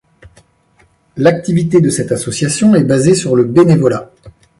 L’activité de cette association est basée sur le bénévolat.